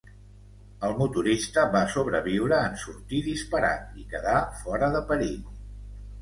El motorista va sobreviure en sortir disparat i quedar fora de perill.